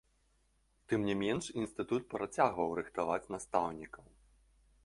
Тым не менш, інстытут працягваў рыхтаваць настаўнікаў.